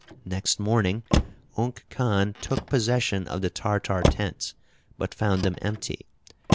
Next morning Unk Khan took possession of the Tartar tents, but found them empty.